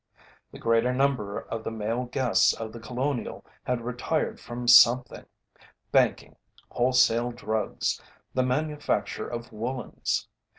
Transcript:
The greater number of the male guests of The Colonial had retired from something banking, wholesale drugs, the manufacture of woolens.